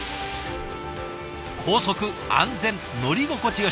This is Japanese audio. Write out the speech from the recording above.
高速安全乗り心地よし。